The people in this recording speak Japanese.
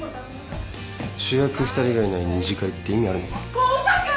主役２人がいない二次会って意味あるのか？